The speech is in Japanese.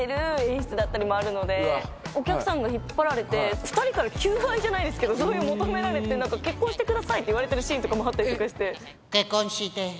お客さんが引っ張られて２人から求愛じゃないですけど求められて結婚してくださいって言われてるシーンもあったりして。